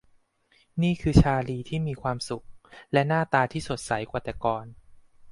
นี่คือชาร์ลีย์ที่มีความสุข และหน้าตาที่สดใสกว่าแต่ก่อน